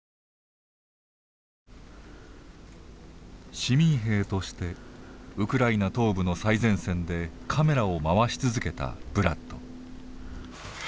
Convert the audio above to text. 市民兵としてウクライナ東部の最前線でカメラを回し続けたブラッド。